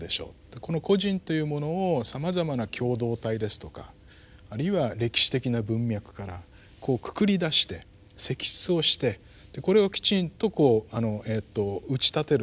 この個人というものをさまざまな共同体ですとかあるいは歴史的な文脈からこうくくりだして析出をしてこれをきちんとこう打ち立てると。